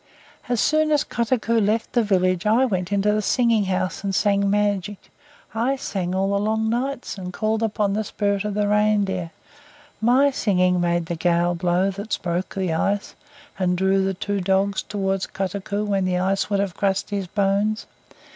"As soon as Kotuko left the village I went to the Singing House and sang magic. I sang all the long nights, and called upon the Spirit of the Reindeer. MY singing made the gale blow that broke the ice and drew the two dogs toward Kotuko when the ice would have crushed his bones.